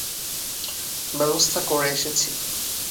ব্যবস্থা করে এসেছি!